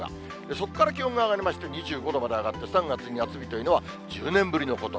そっから気温が上がりまして、２５度まで上がりまして、３月に夏日というのは１０年ぶりのこと。